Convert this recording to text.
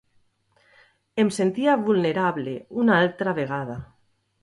Em sentia vulnerable, una altra vegada.